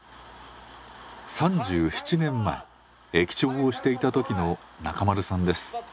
３７年前駅長をしていた時の中丸さんです。